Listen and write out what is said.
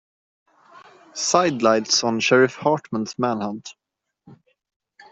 Sidelights on Sheriff Hartman's manhunt.